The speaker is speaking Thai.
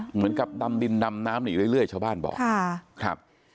เหมือนกับดำดินดำน้ำหนีเรื่อยชาวบ้านบอกครับ